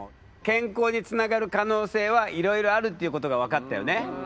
健康につながる可能性はいろいろあるっていうことが分かったよね？